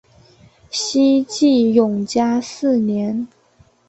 西晋永嘉四年。